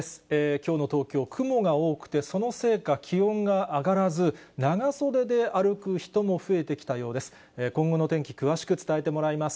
きょうの東京、雲が多くて、そのせいか気温が上がらず、長袖で歩く人も増えてきたようです。